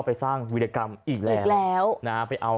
ไปสร้างวิรกรรมอีกแล้วอีกแล้วนะฮะไปเอา